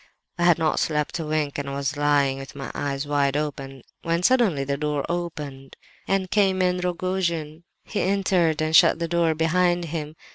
I had not slept a wink, and was lying with my eyes wide open, when suddenly the door opened, and in came Rogojin. "He entered, and shut the door behind him.